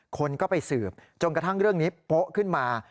คนก็ไปสืบจนกระทั่งเรื่องนี้โป๊ะขึ้นมา